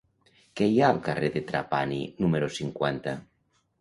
Què hi ha al carrer de Trapani número cinquanta?